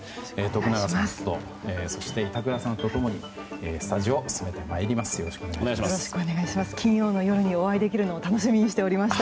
徳永さんと板倉さんと共にスタジオを務めてまいります。